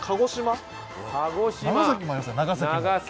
長崎もありますよ長崎も。